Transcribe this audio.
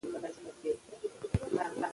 د دې ارشیف په ډیجیټلي بڼه شتون لري.